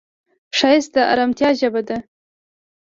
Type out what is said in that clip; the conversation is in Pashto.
ښایست د ارامتیا ژبه ده